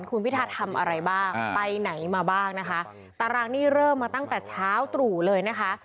คุณพิทาทำอะไรบ้างไปไหนมาบ้างนะคะตารางนี้เริ่มมาตั้งแต่เช้าตรู่เลยนะคะ